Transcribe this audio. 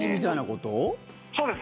そうです。